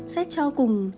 xét cho cùng